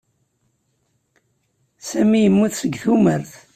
Sami yemmut seg tumert.